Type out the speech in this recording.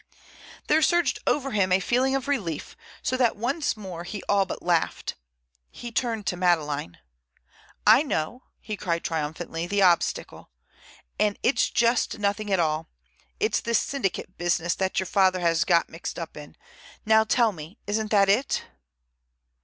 There surged over him a feeling of relief, so that once more he all but laughed. He turned to Madeleine. "I know," he cried triumphantly, "the obstacle. And it's just nothing at all. It's this syndicate business that your father has got mixed up in. Now tell me! Isn't that it?"